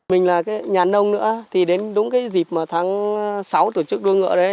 mình là nhà nông nữa thì đến đúng dịp tháng sáu tổ chức đua ngựa đấy